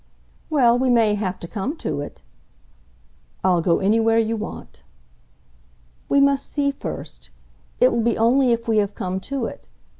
"Well, we may have to come to it." "I'll go anywhere you want." "We must see first it will be only if we have to come to it.